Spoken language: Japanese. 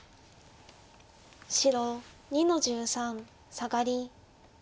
白２の十三サガリ。